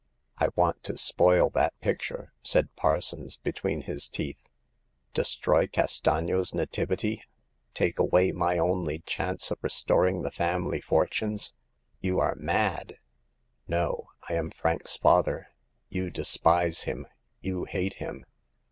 " I want to spoil that picture," said Parsons between his teeth. " Destroy Castagno's * Nativity *? Take away my only chance of restoring the family fortunes ? You are mad." " No ; I am Frank's father. You despise him ; you hate him.